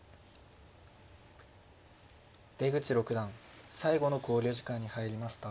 出口六段最後の考慮時間に入りました。